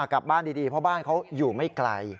กลับบ้านดีเพราะบ้านเขาอยู่ไม่ไกล